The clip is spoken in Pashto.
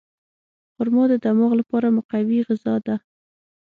خرما د دماغ لپاره مقوي غذا ده.